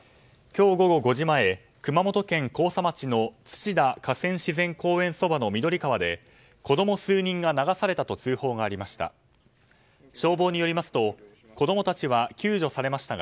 今日午後５時前、熊本県甲佐町の土田河川自然公園そばのミドリ川で子供数人が流されたと通報がありました。